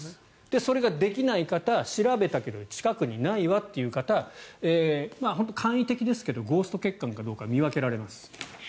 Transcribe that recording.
それができない方調べたけど近くにないわという方本当に簡易的ですがゴースト血管かどうか見分けられます。